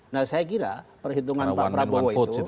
nah saya kira perhitungan pak prabowo itu